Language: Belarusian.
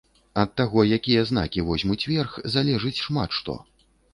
І ад таго, якія знакі возьмуць верх, залежыць шмат што.